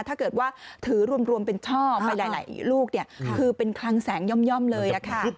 ถ้าเกิดว่าถือรวมเป็นช่อไปหลายลูกเนี่ยคือเป็นคลังแสงย่อมเลยค่ะ